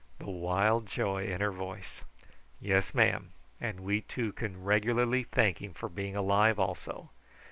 The wild joy in her voice! "Yes, ma'am; and we two can regularly thank him for being alive also.